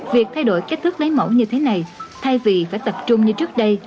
việc thay đổi cách thức lấy mẫu như thế này thay vì phải tập trung như trước đây